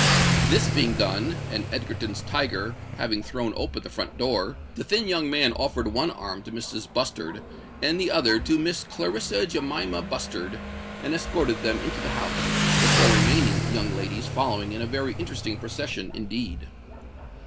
This being done, and Egerton's tiger having thrown open the front door, the thin young man offered one arm to Mrs. Bustard and the other to Miss Clarissa Jemima Bustard, and escorted them into the house, the four remaining young ladies following in a very interesting procession indeed.